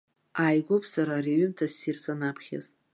Ааигәоуп сара ари аҩымҭа ссир санаԥхьаз.